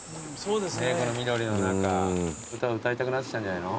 この緑の中歌を歌いたくなってきたんじゃないの？